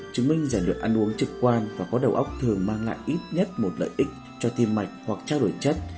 chứng minh giải luyện ăn uống trực quan và có đầu óc thường mang lại ít nhất một lợi ích cho tim mạch hoặc trao đổi chất